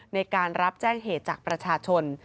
ในการรับแจ้งเหตุจากประชาชน